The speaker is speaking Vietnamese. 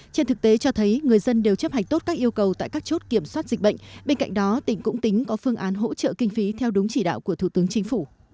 trên thực tế cho thấy người dân đều chấp hành tốt các yêu cầu tại các chốt kiểm soát dịch bệnh bên cạnh đó tỉnh cũng tính có phương án hỗ trợ kinh phí theo đúng chỉ đạo của thủ tướng chính phủ